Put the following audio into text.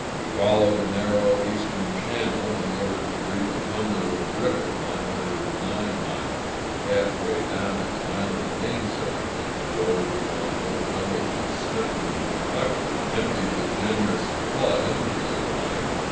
We follow the narrow eastern channel, in order to greet the Cumberland River (909 miles), which half way down its island name sake, at the woe begone little village of Smithland, Ky. empties a generous flood into the Ohio.